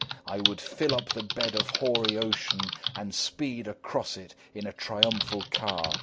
I would fill up the bed of hoary ocean and speed across it in a triumphal car.